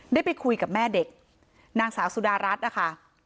ได้ไปคุยกับแม่เด็กนางสาวสุดารัฐนะคะ